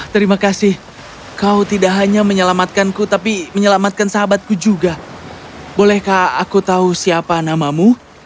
terima kasih kau tidak hanya menyelamatkanku tapi menyelamatkan sahabatku juga bolehkah aku tahu siapa namamu